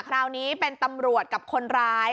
คราวนี้เป็นตำรวจกับคนร้าย